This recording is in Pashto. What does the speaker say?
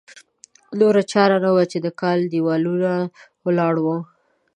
نوره چاره نه وه چې د کاله دېوالونه ولاړ وو.